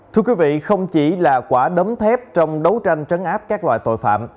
thưa quý vị không chỉ là quả đấm thép trong đấu tranh trấn áp các loại tội phạm